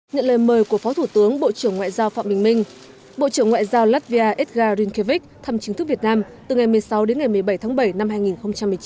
nhận lời mời của phó thủ tướng bộ trưởng ngoại giao phạm bình minh bộ trưởng ngoại giao latvia edgar rinkevich thăm chính thức việt nam từ ngày một mươi sáu đến ngày một mươi bảy tháng bảy năm hai nghìn một mươi chín